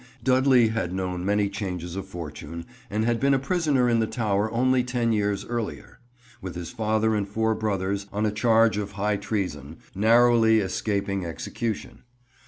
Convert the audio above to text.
Dudley had known many changes of fortune, and had been a prisoner in the Tower only ten years earlier, with his father and four brothers, on a charge of high treason; narrowly escaping execution.